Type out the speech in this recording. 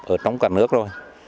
ở trong cả nước rồi